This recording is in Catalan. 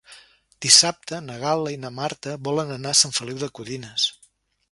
Dissabte na Gal·la i na Marta volen anar a Sant Feliu de Codines.